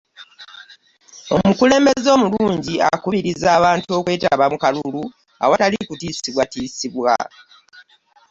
omukulembeze omulungi akubiriza abantu okwetaba mu kalulu ewatali kutisibwatiisibwa